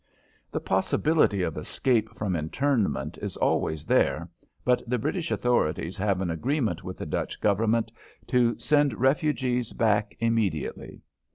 The possibility of escape from internment is always there, but the British authorities have an agreement with the Dutch government to send refugees back immediately.